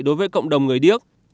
đối với cộng đồng người điếc